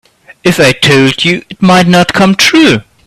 If I told you it might not come true.